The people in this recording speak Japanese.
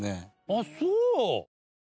あっそう！